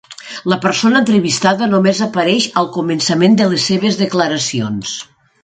La persona entrevistada només apareix al començament de les seves declaracions.